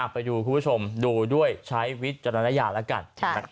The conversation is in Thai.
ไปดูคุณผู้ชมดูด้วยใช้วิจารณญาณแล้วกัน